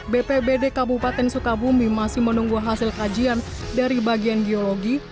bpbd kabupaten sukabumi masih menunggu hasil kajian dari bagian geologi